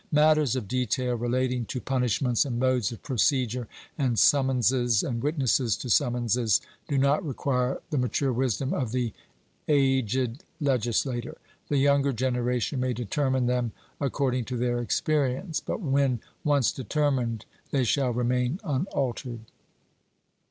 Matters of detail relating to punishments and modes of procedure, and summonses, and witnesses to summonses, do not require the mature wisdom of the aged legislator; the younger generation may determine them according to their experience; but when once determined, they shall remain unaltered.